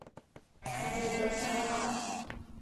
卡内德萨拉尔。